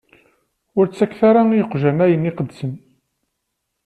Ur ttaket ara i yiqjan ayen iqedsen.